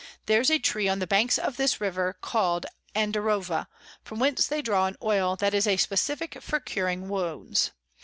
There's a Tree on the Banks of this River call'd Andirova, from whence they draw an Oil that is a Specifick for curing Wounds.